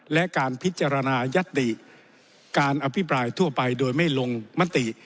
และการพิจารณายัตติการอภิปรายทั่วไปโดยไม่ลงมติ